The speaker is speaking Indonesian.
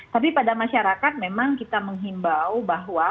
tapi pada masyarakat memang kita menghimbau bahwa